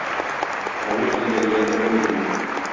Авыр хәлдәгеләре берни белми.